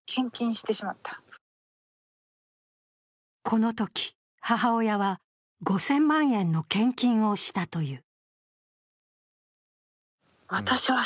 このとき母親は５０００万円の献金をしたという。